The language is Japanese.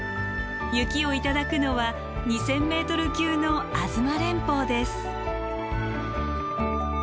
雪をいただくのは２，０００ｍ級の吾妻連峰です。